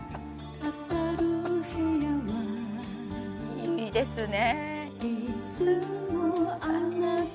いいですね。